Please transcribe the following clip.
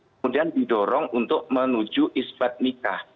kemudian didorong untuk menuju isbat nikah